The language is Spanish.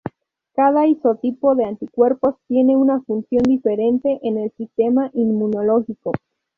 Cada isotipo de anticuerpos tiene una función diferente en el sistema inmunológico.